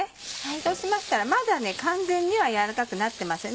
そうしましたらまだ完全には軟らかくなってません。